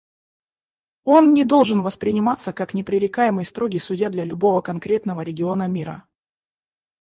Он не должен восприниматься как непререкаемый строгий судья для любого конкретного региона мира.